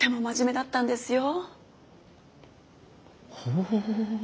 ほう。